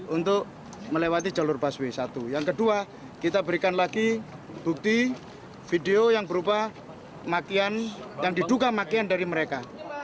untuk melewati jalur busway satu yang kedua kita berikan lagi bukti video yang berupa makian yang diduga makian dari mereka